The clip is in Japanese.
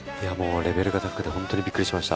レベルが高くて本当にびっくりしました。